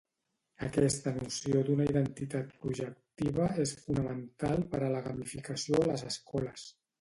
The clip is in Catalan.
Aquesta noció d’una identitat projectiva és fonamental per a la gamificació a les escoles.